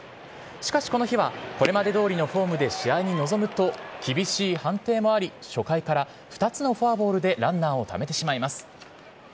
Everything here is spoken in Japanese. しかし、この日はこれまでどおりのフォームで試合に臨むと厳しい判定もあり初回から２つのフォアボールでランナーをためてしまいます。